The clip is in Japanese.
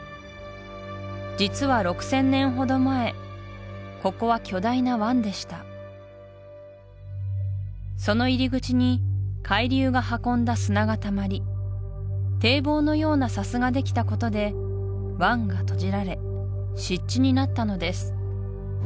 実は６０００年ほど前ここは巨大な湾でしたその入り口に海流が運んだ砂がたまり堤防のような砂州ができたことで湾が閉じられ湿地になったのです